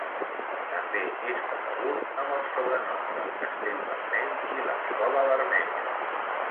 També és conegut amb els sobrenoms del castell vermell i l'escola vermella.